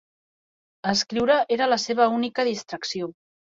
Escriure era la seva única distracció.